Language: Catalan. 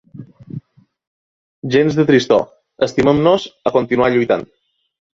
Gens de tristor: estimem-nos, a continuar lluitant.